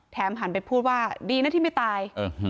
หันไปพูดว่าดีนะที่ไม่ตาย